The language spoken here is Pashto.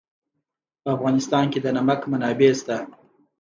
په افغانستان کې د نمک منابع شته.